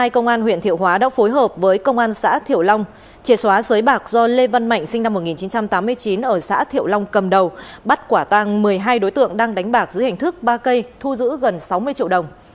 công an huyện thiệu hóa đã phối hợp với công an xã thiệu long triệt xóa bạc do lê văn mạnh sinh năm một nghìn chín trăm tám mươi chín ở xã thiệu long cầm đầu bắt quả tăng một mươi hai đối tượng đang đánh bạc dưới hình thức ba cây thu giữ gần sáu mươi triệu đồng